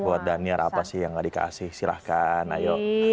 buat daniel apa sih yang nggak dikasih silahkan ayo